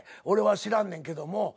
俺は知らんねんけども。